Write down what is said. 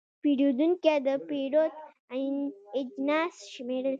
پیرودونکی د پیرود اجناس شمېرل.